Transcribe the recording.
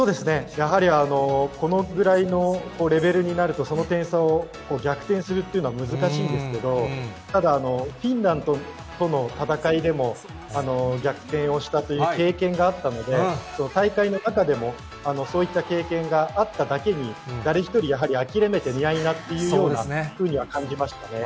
やはりこのぐらいのレベルになると、その点差を逆転するっていうのは難しいんですけど、ただ、フィンランドとの戦いでも逆転をしたという経験があったので、大会の中でもそういった経験があっただけに、誰一人やはり諦めていないなっていうふうに感じましたね。